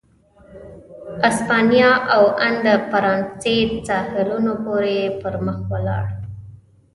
اسپانیا او ان د فرانسې ساحلونو پورې پر مخ ولاړ.